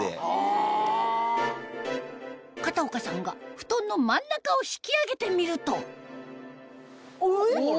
片岡さんが布団の真ん中を引き上げてみるとえっ？